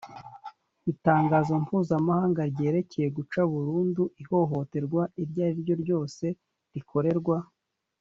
itangazo mpuzamahanga ryerekeye guca burundu ihohoterwa iryo ari ryo ryose rikorerwa